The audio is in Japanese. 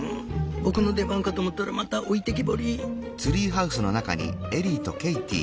僕の出番かと思ったらまた置いてきぼり」。